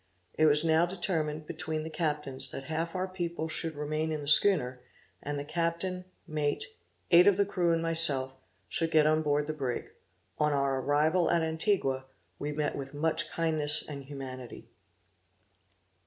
It was now determined, between the captains, that half of our people should remain in the schooner, and the captain, mate, eight of the crew, and myself, should get on board the brig. On our arrival at Antigua we met with much kindness and humanity.